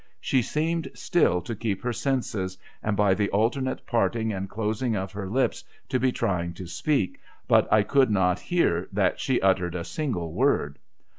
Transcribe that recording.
She seemed still to keep her senses, and, by the alternate parting and closing of her lips, to be trying to speak, but I could not hear that she uttered a single word.